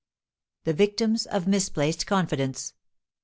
THE VICTIMS OF MISPLACED CONFIDENCE.